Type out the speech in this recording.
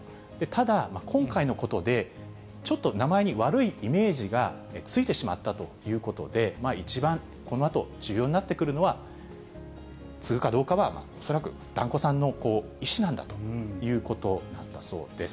ただ、今回のことで、ちょっと名前に悪いイメージがついてしまったということで、一番、このあと重要になってくるのは、継ぐかどうかは、恐らく團子さんの意思なんだということなんだそうです。